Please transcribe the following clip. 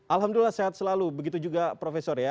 alhamdulillah sehat selalu begitu juga profesor ya